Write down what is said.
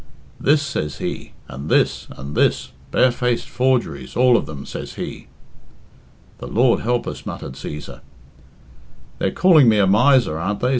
'This,' says he, 'and this and this barefaced forgeries, all of them!' says he." "The Lord help us!" muttered Cæsar. "'They're calling me a miser, aren't they?'